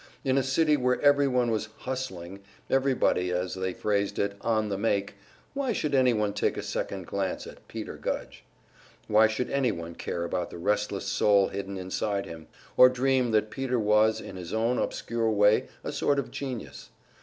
In a city where everybody was "hustling," everybody, as they phrased it, "on the make," why should anyone take a second glance at Peter Gudge? Why should anyone care about the restless soul hidden inside him, or dream that Peter was, in his own obscure way, a sort of genius?